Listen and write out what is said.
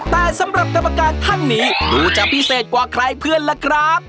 แต่สำหรับกรรมการท่านนี้ดูจะพิเศษกว่าใครเพื่อนล่ะครับ